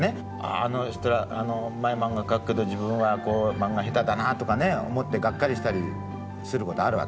あの人らうまい漫画描くけど自分は漫画下手だなとかね思ってがっかりしたりすることあるわけ。